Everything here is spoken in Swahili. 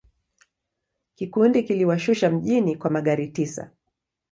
Kikundi kiliwashusha mjini kwa magari tisa.